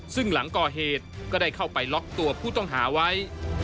ซึ่งหลังก่อเหตุก็ได้เข้าไปล็อกตัวผู้ต้องหาไว้